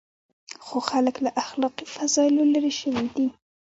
خو خلک له اخلاقي فضایلو لرې شوي دي.